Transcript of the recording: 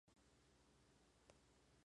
De Egipto a Elche.